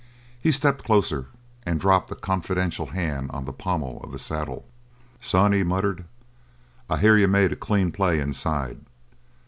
He stepped closer and dropped a confidential hand on the pommel of the saddle. "Son," he muttered, "I hear you made a clean play inside.